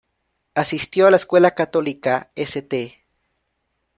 Asistió a la escuela católica St.